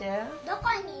どこに？